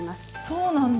そうなんだ！